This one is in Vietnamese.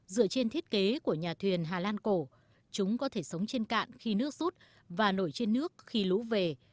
dựa trên thiết kế của nhà thuyền hà lan cổ chúng có thể sống trên cạn khi nước rút và nổi trên nước khi lũ về